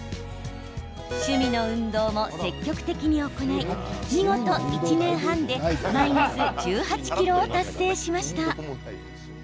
趣味の運動も積極的に行い見事、１年半でマイナス１８ｋｇを達成しました。